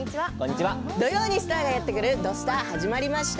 土曜にスターがやってくる「土スタ」始まりました。